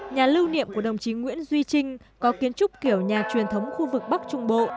nhà lưu niệm của đồng chí nguyễn duy trinh có kiến trúc kiểu nhà truyền thống khu vực bắc trung bộ